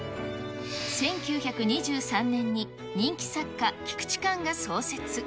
１９２３年に人気作家、菊池寛が創設。